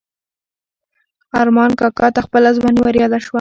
ارمان کاکا ته خپله ځواني وریاده شوه.